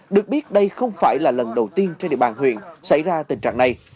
được biết đây không phải là lần đầu tiên trên địa bàn huyện xảy ra tình trạng này